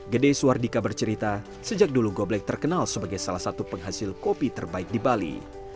gede suardika bercerita sejak dulu goblek terkenal sebagai salah satu penghasil kopi terbaik di bali